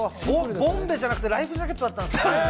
ボンベじゃなくてライフジャケットだったんですね。